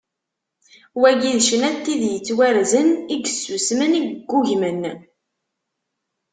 Wagi d ccna n tid i yettwarzen, i yessusmen, i yeggugmen.